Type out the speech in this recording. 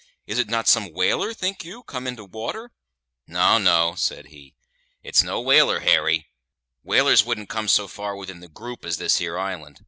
Is it not some whaler, think you, come in to water!" "No, no," said he; "it's no whaler, Harry. Whalers wouldn't come so far within the group as this here island.